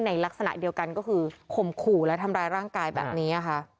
ลักษณะเดียวกันก็คือข่มขู่และทำร้ายร่างกายแบบนี้ค่ะ